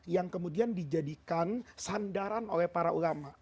yang kemudian dijadikan sandaran oleh para ulama